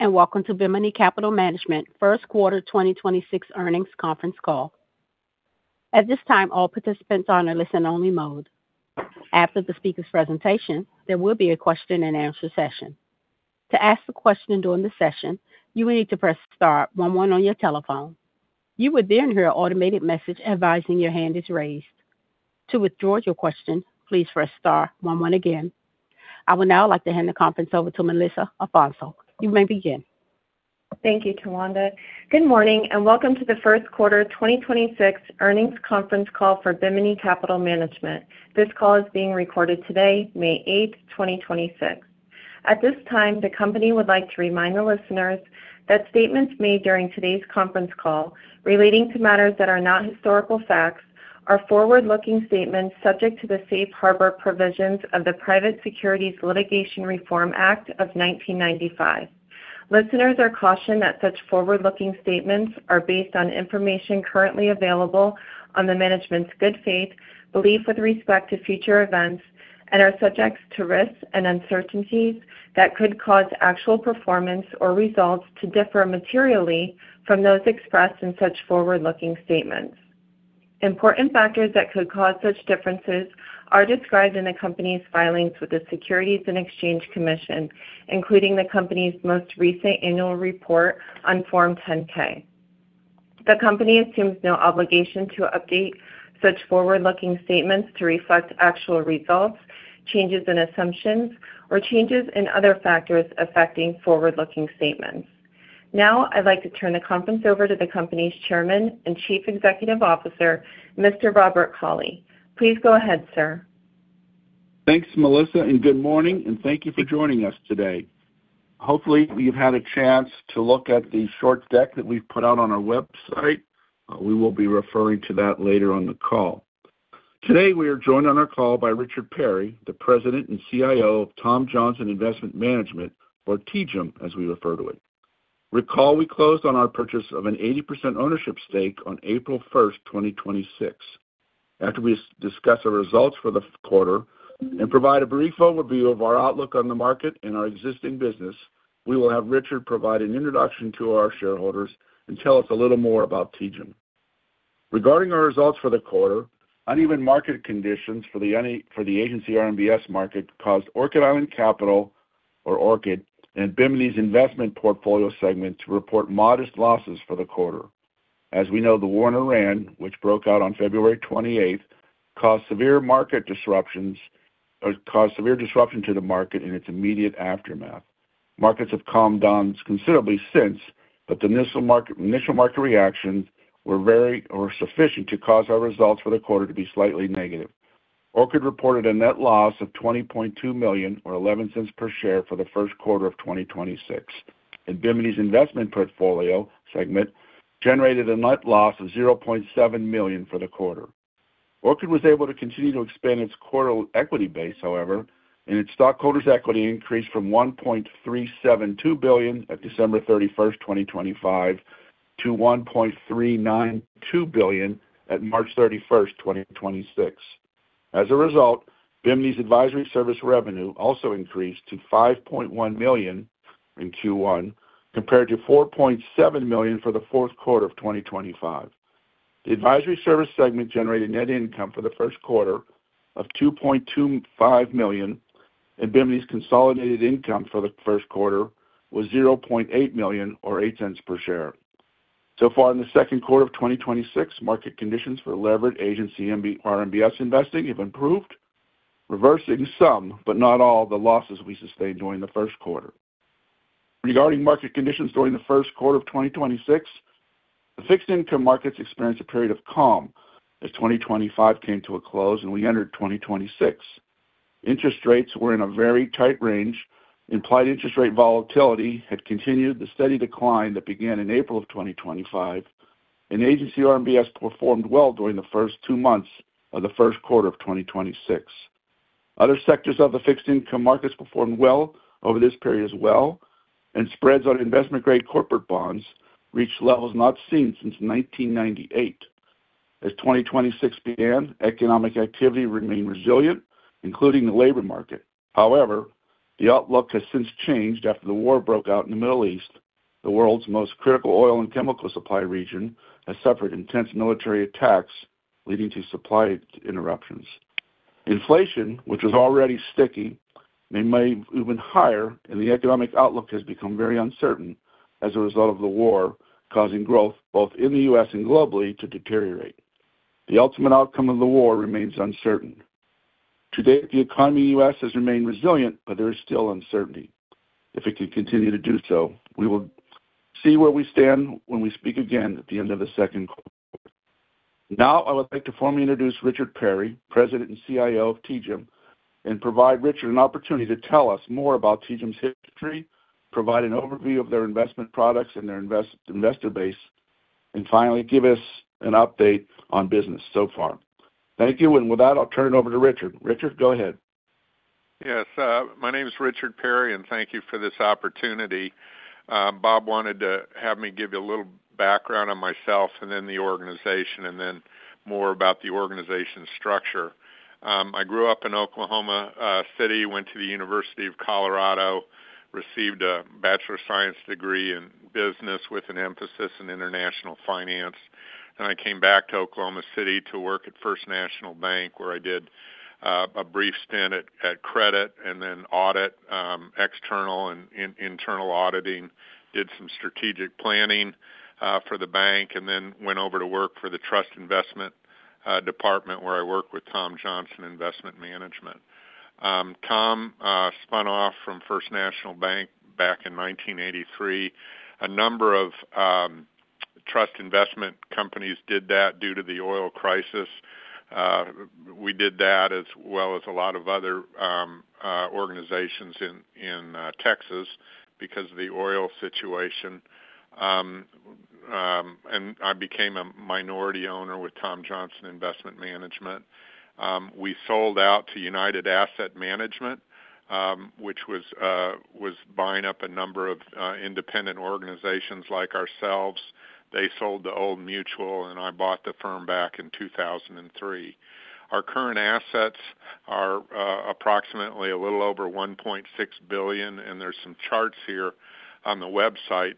Hello, and welcome to Bimini Capital Management Q1 2026 earnings conference call. At this time, all participants are on a listen-only mode. After the speaker's presentation, there will be a question-and-answer session. To ask the question during the session, you will need to press star one one on your telephone. To withdraw your question, please press star one one again. I would now like to hand the conference over to Melissa Alfonso. You may begin. Thank you, Tawanda. Good morning, welcome to the Q1 2026 earnings conference call for Bimini Capital Management. This call is being recorded today, May eighth, 2026. At this time, the company would like to remind the listeners that statements made during today's conference call relating to matters that are not historical facts are forward-looking statements subject to the safe harbor provisions of the Private Securities Litigation Reform Act of 1995. Listeners are cautioned that such forward-looking statements are based on information currently available on the management's good faith, belief with respect to future events, and are subject to risks and uncertainties that could cause actual performance or results to differ materially from those expressed in such forward-looking statements. Important factors that could cause such differences are described in the company's filings with the Securities and Exchange Commission, including the company's most recent annual report on Form 10-K. The company assumes no obligation to update such forward-looking statements to reflect actual results, changes in assumptions, or changes in other factors affecting forward-looking statements. I'd like to turn the conference over to the company's Chairman and Chief Executive Officer, Mr. Robert E. Cauley. Please go ahead, sir. Thanks, Melissa, good morning, and thank you for joining us today. Hopefully, you've had a chance to look at the short deck that we've put out on our website. We will be referring to that later on the call. Today, we are joined on our call by Richard Perry, the president and CIO of Tom Johnson Investment Management or TJIM, as we refer to it. Recall, we closed on our purchase of an 80% ownership stake on April 1, 2026. After we discuss our results for the quarter and provide a brief overview of our outlook on the market and our existing business, we will have Richard provide an introduction to our shareholders and tell us a little more about TJIM. Regarding our results for the quarter, uneven market conditions for the agency RMBS market caused Orchid Island Capital, or Orchid, and Bimini's investment portfolio segment to report modest losses for the quarter. As we know, the war in Iran, which broke out on February 28, caused severe disruption to the market in its immediate aftermath. Markets have calmed down considerably since, but the initial market reactions were sufficient to cause our results for the quarter to be slightly negative. Orchid reported a net loss of $20.2 million or $0.11 per share for the Q1 of 2026. Bimini's investment portfolio segment generated a net loss of $0.7 million for the quarter. Orchid was able to continue to expand its quarter equity base, however, and its stockholders' equity increased from $1.372 billion at December 31, 2025 to $1.392 billion at March 31, 2026. As a result, Bimini's advisory service revenue also increased to $5.1 million in Q1 compared to $4.7 million for the fourth quarter of 2025. The advisory service segment generated net income for the Q1 of $2.25 million, and Bimini's consolidated income for the Q1 was $0.8 million or $0.08 per share. In the Q2 of 2026, market conditions for leveraged agency RMBS investing have improved, reversing some but not all the losses we sustained during the Q1. Regarding market conditions during the Q1 of 2026, the fixed income markets experienced a period of calm as 2025 came to a close and we entered 2026. Interest rates were in a very tight range. Implied interest rate volatility had continued the steady decline that began in April of 2025. Agency RMBS performed well during the first two months of the Q1 of 2026. Other sectors of the fixed income markets performed well over this period as well. Spreads on investment-grade corporate bonds reached levels not seen since 1998. As 2026 began, economic activity remained resilient, including the labor market. However, the outlook has since changed after the war broke out in the Middle East. The world's most critical oil and chemical supply region has suffered intense military attacks, leading to supply interruptions. Inflation, which was already sticky, may move even higher, and the economic outlook has become very uncertain as a result of the war, causing growth both in the U.S. and globally to deteriorate. The ultimate outcome of the war remains uncertain. To date, the economy in the U.S. has remained resilient, but there is still uncertainty if it can continue to do so. We will see where we stand when we speak again at the end of the Q2. Now, I would like to formally introduce Richard Perry, President and CIO of TJIM, and provide Richard an opportunity to tell us more about TJIM's history, provide an overview of their investment products and their investor base, and finally, give us an update on business so far. Thank you. With that, I'll turn it over to Richard. Richard, go ahead. Yes. my name is Richard Perry, and thank you for this opportunity. Bob wanted to have me give you a little background on myself and then the organization and then more about the organization structure. I grew up in Oklahoma City, went to the University of Colorado, received a Bachelor of Science degree in Business with an emphasis in International Finance. I came back to Oklahoma City to work at First National Bank, where I did a brief stint at credit and then audit, external and internal auditing, did some strategic planning for the bank, and then went over to work for the trust investment department where I worked with Tom Johnson Investment Management. Tom spun off from First National Bank back in 1983. A number of trust investment companies did that due to the oil crisis. We did that as well as a lot of other organizations in Texas because of the oil situation. I became a minority owner with Tom Johnson Investment Management. We sold out to United Asset Management, which was buying up a number of independent organizations like ourselves. They sold to Old Mutual, and I bought the firm back in 2003. Our current assets are approximately a little over $1.6 billion, and there's some charts here on the website.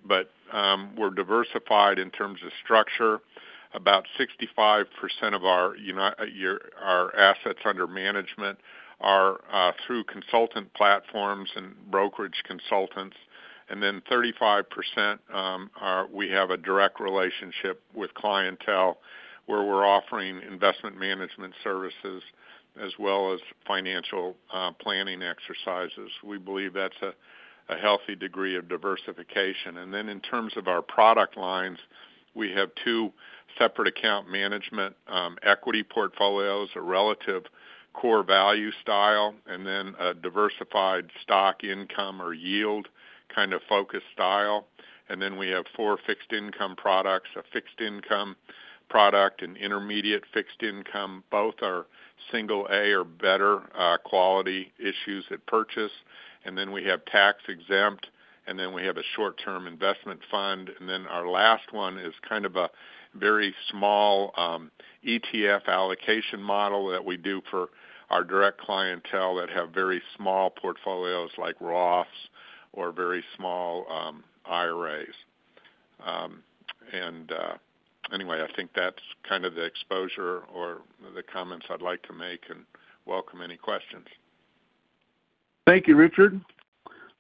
We're diversified in terms of structure. About 65% of our assets under management are through consultant platforms and brokerage consultants. Thirty-five percent, we have a direct relationship with clientele where we're offering investment management services as well as financial planning exercises. We believe that's a healthy degree of diversification. In terms of our product lines, we have two separate account management equity portfolios, a relative core value style, a diversified stock income or yield kind of focused style. We have four fixed income products, a fixed income product, an intermediate fixed income. Both are single A or better quality issues at purchase. We have tax-exempt, we have a short-term investment fund. Our last one is kind of a very small ETF allocation model that we do for our direct clientele that have very small portfolios like Roths or very small IRAs. I think that's kind of the exposure or the comments I'd like to make and welcome any questions. Thank you, Richard.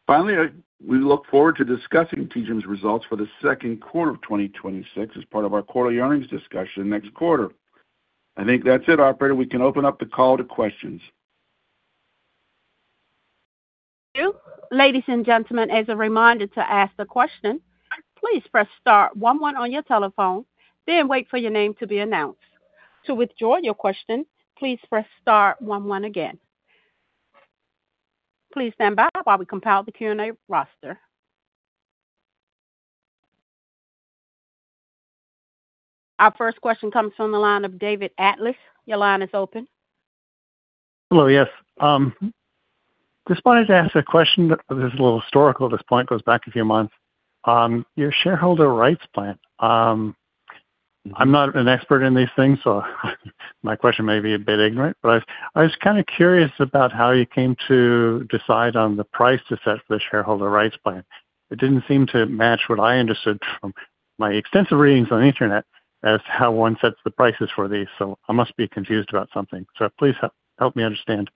Finally, we look forward to discussing TJIM's results for the Q2 of 2026 as part of our quarterly earnings discussion next quarter. I think that's it. Operator, we can open up the call to questions. Ladies and gentlemen, as a reminder to ask the question, please press star one one on your telephone, then wait for your name to be announced. To withdraw your question, please press star one one again. Please stand by while we compile the Q&A roster. Our first question comes from the line of David Atlas. Your line is open. Hello. Yes. Just wanted to ask a question that is a little historical at this point. It goes back a few months. Your shareholder rights plan. I'm not an expert in these things, so my question may be a bit ignorant, but I was kind of curious about how you came to decide on the price to set for the shareholder rights plan. It didn't seem to match what I understood from my extensive readings on the internet as how one sets the prices for these, so I must be confused about something. Please help me understand.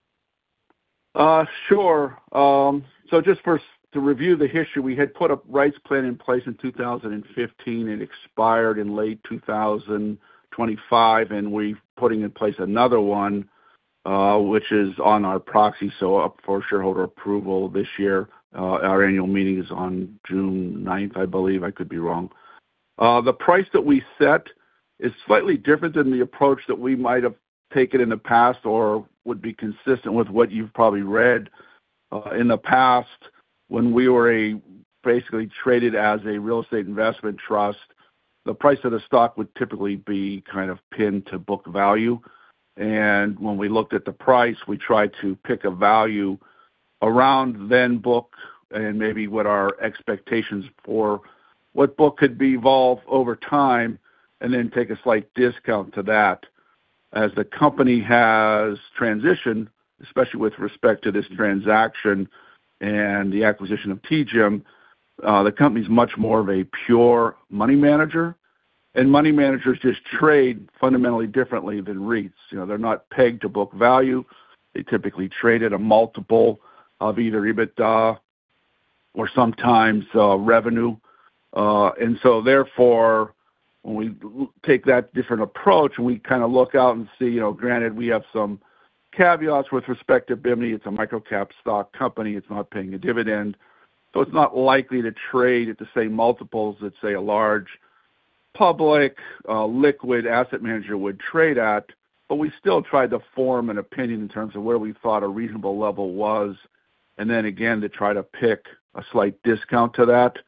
Sure. Just first to review the history, we had put a rights plan in place in 2015. It expired in late 2025, we're putting in place another one, which is on our proxy, up for shareholder approval this year. Our annual meeting is on June 9th, I believe. I could be wrong. The price that we set is slightly different than the approach that we might have taken in the past or would be consistent with what you've probably read. In the past, when we were a basically traded as a real estate investment trust, the price of the stock would typically be kind of pinned to book value. When we looked at the price, we tried to pick a value around then book and maybe what our expectations for what book could evolve over time, and then take a slight discount to that. As the company has transitioned, especially with respect to this transaction and the acquisition of TJIM, the company's much more of a pure money manager, and money managers just trade fundamentally differently than REITs. You know, they're not pegged to book value. They typically trade at a multiple of either EBITDA or sometimes revenue. Therefore, when we take that different approach, and we kind of look out and see, you know, granted, we have some caveats with respect to Bimini. It's a micro-cap stock company. It's not paying a dividend, it's not likely to trade at the same multiples that, say, a large public, liquid asset manager would trade at. We still tried to form an opinion in terms of where we thought a reasonable level was, and then again, to try to pick a slight discount to that.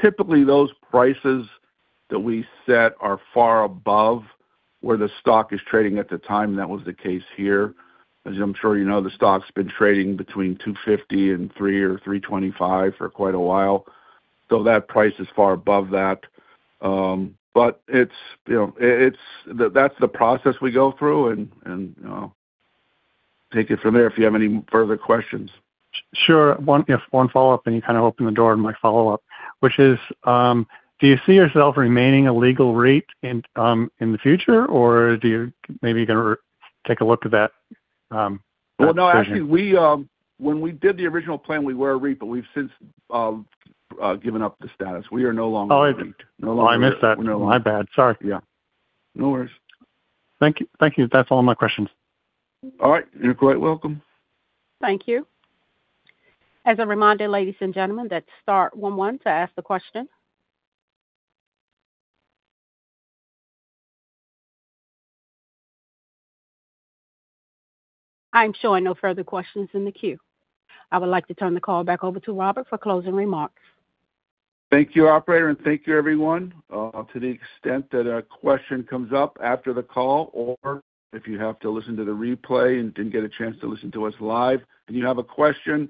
Typically, those prices that we set are far above where the stock is trading at the time. That was the case here. As I'm sure you know, the stock's been trading between $2.50 and $3 or $3.25 for quite a while, that price is far above that. it's, you know, That's the process we go through and take it from there if you have any further questions. Sure. One, just one follow-up, and you kind of opened the door on my follow-up, which is, do you see yourself remaining a legal REIT in the future, or do you maybe you're gonna take a look at that? No, actually, we, when we did the original plan, we were a REIT, but we've since given up the status. We are no longer a REIT. Oh, I didn't- No longer- Oh, I missed that. No. My bad. Sorry. Yeah. No worries. Thank you. Thank you. That's all my questions. All right. You're quite welcome. Thank you. As a reminder, ladies and gentlemen, that's star one one to ask the question. I'm showing no further questions in the queue. I would like to turn the call back over to Robert for closing remarks. Thank you, operator, and thank you, everyone. To the extent that a question comes up after the call or if you have to listen to the replay and didn't get a chance to listen to us live, and you have a question,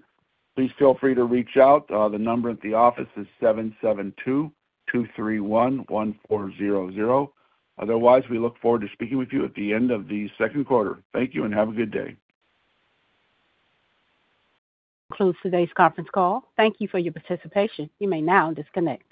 please feel free to reach out. The number at the office is 772-231-1400. Otherwise, we look forward to speaking with you at the end of the Q2. Thank you, and have a good day. This concludes today's conference call. Thank you for your participation. You may now disconnect.